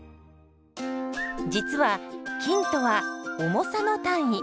実は「斤」とは「重さ」の単位。